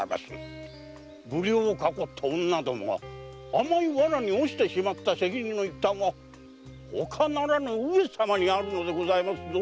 無聊をかこった女どもが甘い罠に堕ちてしまった責任の一端は他ならぬ上様にあるのでございますぞ！